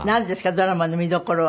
ドラマの見どころは。